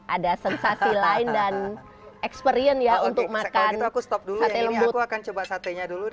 ada sensasi lain dan experience ya untuk makan sate lembut